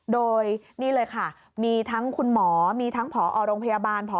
โดยนี่เลยค่ะมีทั้งคุณหมอมีทั้งผอโรงพยาบาล